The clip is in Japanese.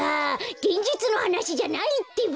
げんじつのはなしじゃないってば！